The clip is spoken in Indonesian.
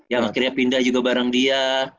ya akhirnya pindah juga bareng dia